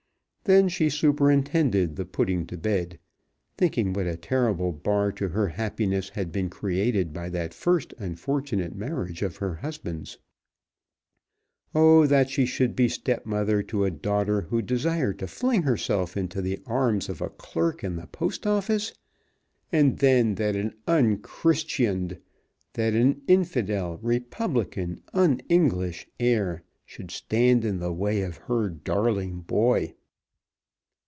Then she superintended the putting to bed, thinking what a terrible bar to her happiness had been created by that first unfortunate marriage of her husband's. Oh, that she should be stepmother to a daughter who desired to fling herself into the arms of a clerk in the Post Office! And then that an "unchristianed," that an infidel, republican, un English, heir should stand in the way of her darling boy!